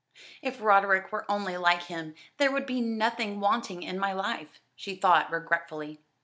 "If Roderick were only like him there would be nothing wanting in my life," she thought regretfully.